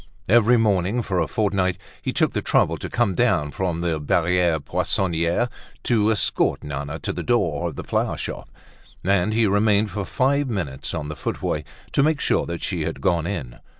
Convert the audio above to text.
Every morning for a fortnight he took the trouble to come down from the Barriere Poissonniere to escort Nana to the door of the flower shop. And he remained for five minutes on the footway, to make sure that she had gone in.